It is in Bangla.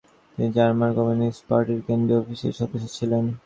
তিনি জার্মানির কমিউনিস্ট পার্টির কেন্দ্রীয় অফিসের সদস্য ছিলেন।